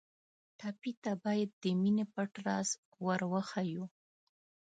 ټپي ته باید د مینې پټ راز ور وښیو.